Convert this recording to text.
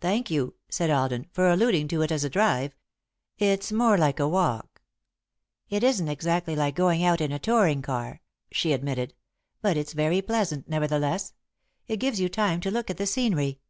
"Thank you," said Alden, "for alluding to it as a drive. It's more like a walk." "It isn't exactly like going out in a touring car," she admitted, "but it's very pleasant, nevertheless. It gives you time to look at the scenery."